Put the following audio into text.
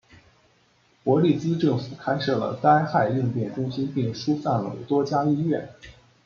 伯利兹政府开设了灾害应变中心并疏散了多家医院。